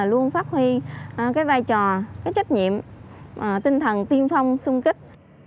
luôn phát huy vai trò trách nhiệm tinh thần tiên phong sung kích